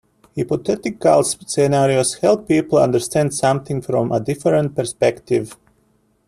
Hypothetical scenarios help people understand something from a different perspective.